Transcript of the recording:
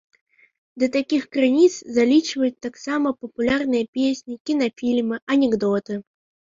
Да такіх крыніц залічваюць таксама папулярныя песні, кінафільмы, анекдоты.